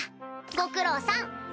ご苦労さん！